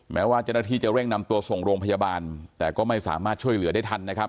แม้ว่าเจ้าหน้าที่จะเร่งนำตัวส่งโรงพยาบาลแต่ก็ไม่สามารถช่วยเหลือได้ทันนะครับ